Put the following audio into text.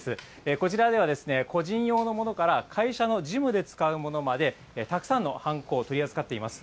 こちらでは、個人用のものから会社の事務で使うものまでたくさんのハンコを取り扱っています。